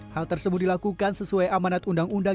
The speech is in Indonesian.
hal tersebut dilakukan sesuai amanat undang undang